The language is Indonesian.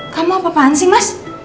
kamu apaan sih mas